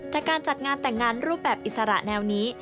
แต่การจัดงานแต่งงานรูปแบบอิสระแนวนี้